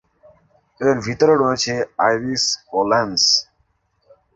এর ভিতরে রয়েছে আইরিশ ও লেন্স।